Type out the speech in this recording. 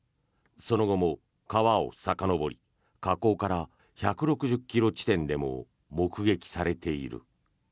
その後も川をさかのぼり河口から１６０ｋｍ地点でも目撃されている。